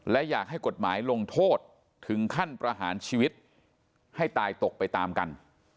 และอยากให้กฎหมายลงโทษถึงขั้นประหารชีวิตให้ตายตกไปตามกัน